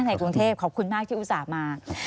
ในกรุงเทพขอบคุณมากที่อุตส่าห์มา